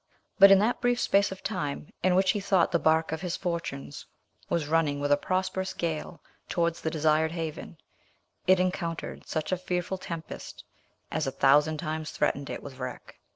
But in that brief space of time, in which he thought the bark of his fortunes was running with a prosperous gale towards the desired haven, it encountered such a fearful tempest, as a thousand times threatened it with wreck.